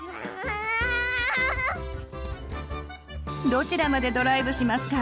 どちらまでドライブしますか？